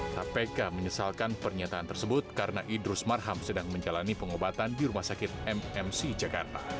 kpk menyesalkan pernyataan tersebut karena idrus marham sedang menjalani pengobatan di rumah sakit mmc jakarta